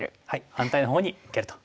反対の方に受けると。